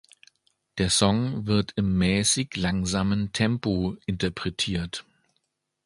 Der Song wird im mäßig langsamen Tempo interpretiert.